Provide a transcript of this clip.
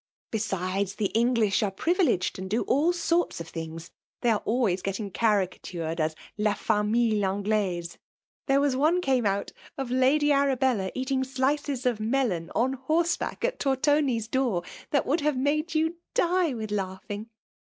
Besides^ the English am prit* vileged, and. do all sorts of things. Thejr ai^ always getting caricatured as La JamUle Anglme, There was one came out of liady Arabella eating slices of melon on horseback at Tortoni's dooxi that woidd have mado you die with laughing.